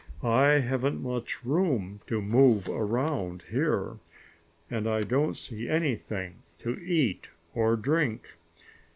"I haven't much room to move around here, and I don't see anything to eat, or drink."